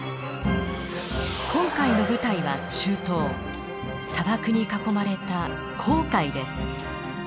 今回の舞台は中東砂漠に囲まれた紅海です。